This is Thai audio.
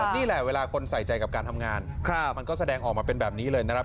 นี่แหละเวลาคนใส่ใจกับการทำงานมันก็แสดงออกมาเป็นแบบนี้เลยนะครับ